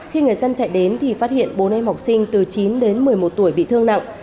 khi người dân chạy đến thì phát hiện bốn em học sinh từ chín đến một mươi một tuổi bị thương nặng